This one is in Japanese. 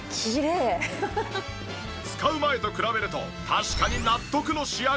使う前と比べると確かに納得の仕上がり。